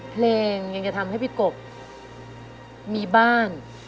เพลงยังจะทำให้พี่กบมีบ้าน